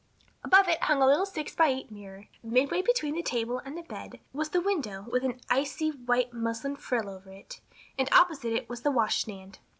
Above it hung a little six by eight mirror. Midway between table and bed was the window, with an icy white muslin frill over it, and opposite it was the wash stand.